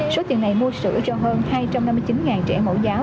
số tiền này mua sữa cho hơn hai trăm năm mươi chín trẻ mẫu giáo